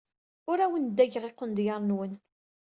Ur awen-ddageɣ iqendyar-nwen.